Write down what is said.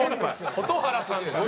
蛍原さんですよ。